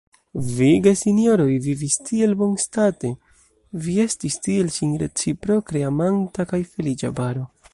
Vi, gesinjoroj, vivis tiel bonstate, vi estis tiel sin reciproke amanta kaj feliĉa paro!